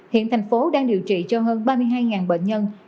hiện thành phố đang điều trị cho hơn ba mươi hai bệnh nhân